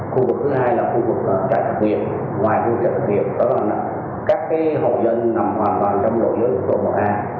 khu vực thứ nhất là khu vực chín sáu trăm tám mươi ba khu vực này đất nhà nước trực tiếp quản lý và người dân ở khu vực này thì xây dựng không phép